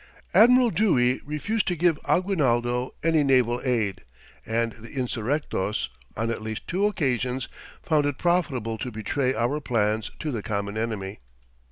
Admiral Dewey refused to give Aguinaldo any naval aid, and the insurrectos on at least two occasions found it profitable to betray our plans to the common enemy.